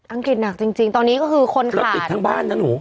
องกฤษหนักจริงตอนนี้ก็คือคนขับอังกฤษทั้งบ้านนะหนู